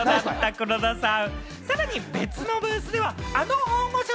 黒田さん。